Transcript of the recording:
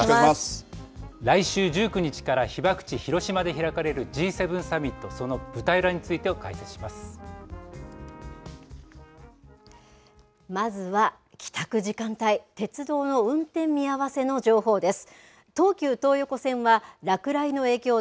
来週１９日から被爆地、広島で開かれるＧ７サミット、そのまずは、帰宅時間帯鉄道の運転見合わせの情報です。